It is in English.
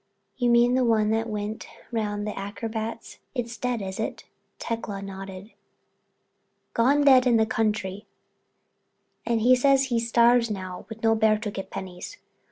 "You mean the one that went round with the acrobats. It's dead, is it?" Tecla nodded. "Gone dead in the country. And he says he starve now with no bear to get pennies.